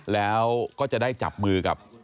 แล้วก็จะได้จับมือกับ